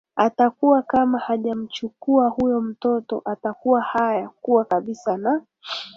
atakuwa kama hajamchukua huyo mtoto atakuwa haya kuwa kabisa na